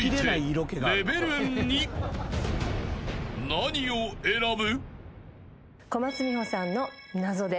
［何を選ぶ？］